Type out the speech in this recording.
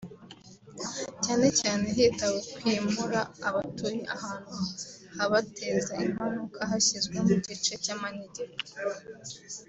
cyane cyane hitawe kwimura abatuye ahantu habateza impanuka hashyizwe mu gice cy’Amanegeka